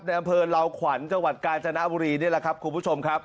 อำเภอลาวขวัญจังหวัดกาญจนบุรีนี่แหละครับคุณผู้ชมครับ